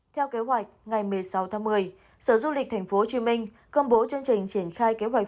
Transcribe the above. theo kế hoạch ngày một mươi sáu tháng một mươi sở du lịch tp hcm công bố chương trình triển khai kế hoạch